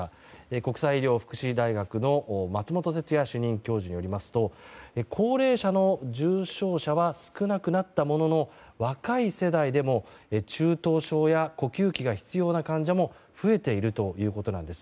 国際医療福祉大学の松本哲哉主任教授によりますと高齢者の重症者は少なくなったものの若い世代でも中等症や呼吸器が必要な患者も増えているということなんです。